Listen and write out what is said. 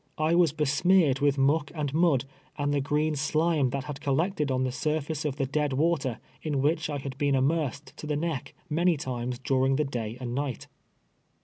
I was besmeared with muck and mud, and the green slime that had collected on the surface of the dead water, in which I had been immersed to the neck many times during the day and night.